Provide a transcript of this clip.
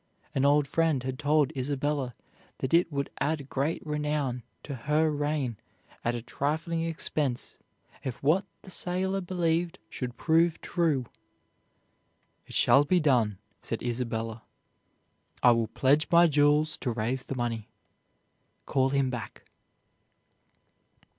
An old friend had told Isabella that it would add great renown to her reign at a trifling expense if what the sailor believed should prove true. "It shall be done," said Isabella, "I will pledge my jewels to raise the money. Call him back."